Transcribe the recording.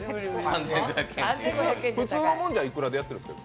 普通のもんじゃはいくらでやってるんですか？